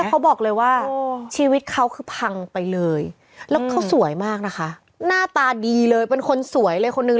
เขาบอกเลยว่าชีวิตเขาคือพังไปเลยแล้วเขาสวยมากนะคะหน้าตาดีเลยเป็นคนสวยเลยคนนึง